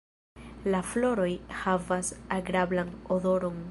La floroj havas agrablan odoron.